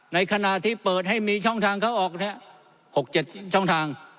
ในขณะที่เปิดให้มีช่องทางเขาออกแท้หกเจ็ดช่องทาง